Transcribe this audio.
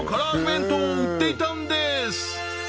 弁当を売っていたんです